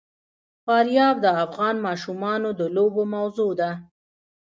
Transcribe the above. فاریاب د افغان ماشومانو د لوبو موضوع ده.